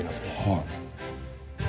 はい。